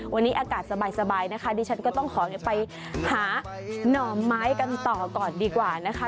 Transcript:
วันนี้อากาศสบายนะคะดิฉันก็ต้องขอไปหาหน่อไม้กันต่อก่อนดีกว่านะคะ